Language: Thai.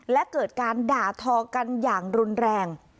และเกิดการด่าทอกันอย่างรุนแรง